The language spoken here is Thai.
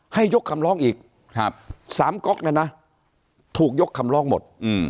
ให้ยกคำร้องอีก๓ก๊อกเนี่ยนะถูกยกคำร้องหมด